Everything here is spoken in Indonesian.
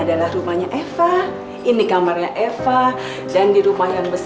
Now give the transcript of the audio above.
iya aku panggilnya dari kamar plateget